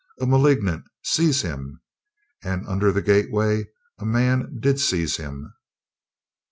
A malignant! Seize him!" And under the gateway a man did seize him.